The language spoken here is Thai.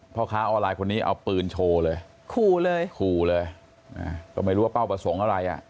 พ่อค้าออนไลน์คนนี้เอาปืนโชว์เลยขู่เลยขู่เลยก็ไม่รู้ว่าเป้าประสงค์อะไรอ่ะ